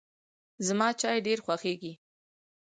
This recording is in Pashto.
زما چای ډېر خوښیږي.